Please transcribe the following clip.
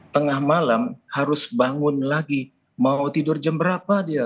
tengah malam harus bangun lagi mau tidur jam berapa dia